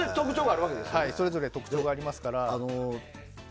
それぞれ特徴がありますから。